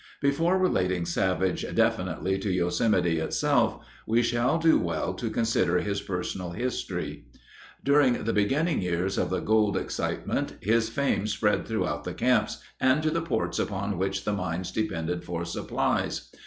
Before relating Savage definitely to Yosemite itself we shall do well to consider his personal history. During the beginning years of the gold excitement, his fame spread throughout the camps and to the ports upon which the mines depended for supplies.